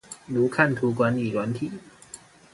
如看圖管理軟體